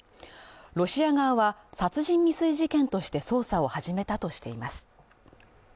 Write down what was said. ロシア側は殺人未遂事件として捜査を始めたとしています。